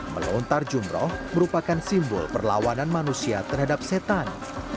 melontar jumroh merupakan simbol perlawanan manusia terhadap setan